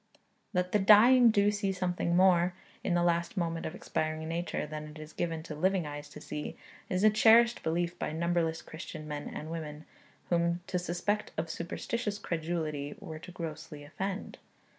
That the dying do see something more, in the last moment of expiring nature, than it is given to living eyes to see, is a cherished belief by numberless Christian men and women, whom to suspect of superstitious credulity were to grossly offend.